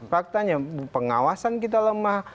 faktanya pengawasan kita lemah